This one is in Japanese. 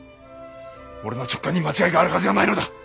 俺の直感に間違いがあるはずがないのだ！